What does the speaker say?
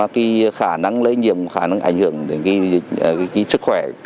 cái khả năng lây nhiễm khả năng ảnh hưởng đến sức khỏe